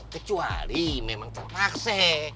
kecuali memang terpaksa